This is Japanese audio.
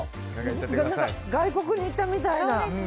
外国に行ったみたいな。